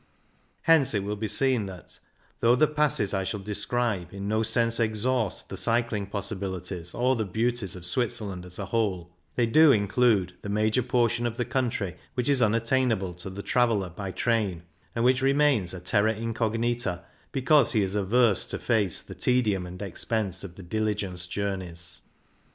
Hence it will be seen that, though the passes I shall describe in no sense exhaust the cycling possibilities or the beauties of Switzerland as a whole, they do include the major por tion of the country which is unattainable to the traveller by train, and which remains a terra incognita because he is averse to face the tedium and expense of the diligence journeys.